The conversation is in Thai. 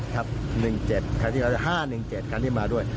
๕๑๗คันที่มาด้วย